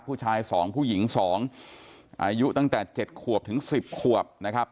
ผู้ชายสองผู้หญิงสองอายุตั้งแต่๗ขวบถึง๑๐ขวบนะครับ